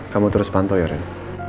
kamu terus pantau yorin